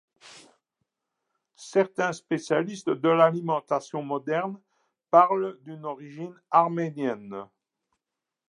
Certains spécialistes de l'alimentation modernes parlent d'une origine arménienne.